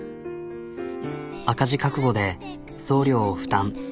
赤字覚悟で送料を負担。